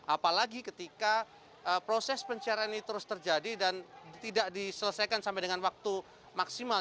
apalagi ketika proses pencarian ini terus terjadi dan tidak diselesaikan sampai dengan waktu maksimal